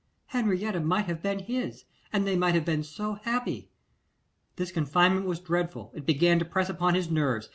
Henrietta might have been his, and they might have been so happy! This confinement was dreadful; it began to press upon his nerves.